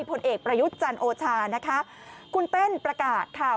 ผลเอกประยุทธ์จันทร์โอชานะคะคุณเต้นประกาศค่ะ